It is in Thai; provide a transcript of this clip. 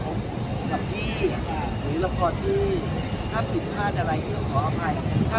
คราวนี้ละครที่เกิดจะแทนนะคะ